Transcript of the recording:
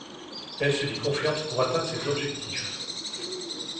Elle se dit confiante pour atteindre ses objectifs.